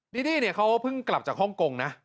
ดีดี้เขาเพิ่งกลับจากฮ่องกง